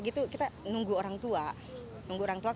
saya tidak kuat terus kita menunggu orang tua